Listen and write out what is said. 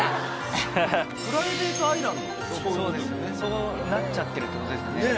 そうなっちゃってるってことですよね実質。